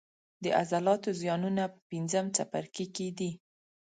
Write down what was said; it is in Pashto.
د عضلاتو زیانونه په پنځم څپرکي کې دي.